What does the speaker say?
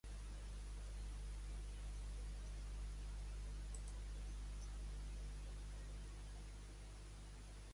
No mancaria sinó!